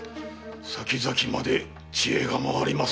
先々まで知恵が回りますな。